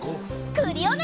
クリオネ！